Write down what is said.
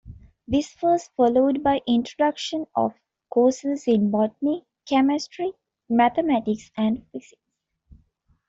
This was followed by introduction of courses in Botany, Chemistry, Mathematics and Physics.